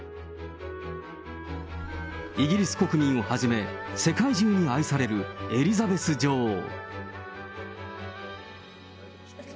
イギリス国民をはじめ、世界中に愛されるエリザベス女王。